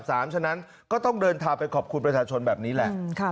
เพราะฉะนั้นก็ต้องเดินทางไปขอบคุณประชาชนแบบนี้แหละ